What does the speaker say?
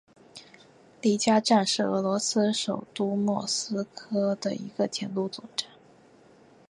里加站是俄罗斯首都莫斯科的一个铁路总站。